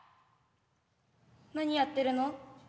何やってるの？